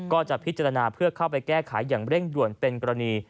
ก็จะพิจารณาเพื่อเข้าไปแก้ไขอย่างเร่งด่วนเป็นกรณี